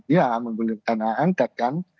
ya menggunakan hak angket kan